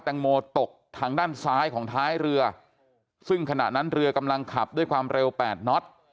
แตงโมตกทางด้านซ้ายของท้ายเรือซึ่งขณะนั้นเรือกำลังขับด้วยความเร็วแปดน็อต